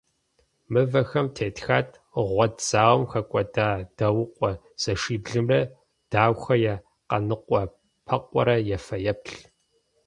Мывэм тетхат: «Гъуэт зауэм хэкӏуэда Даукъуэ зэшиблымрэ Даухэ я къаныкъуэ Пэкъуэрэ я фэеплъ» .